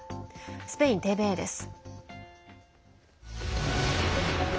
スペインＴＶＥです。